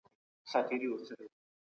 په ټولنه کي به څوک تهديد نه سي.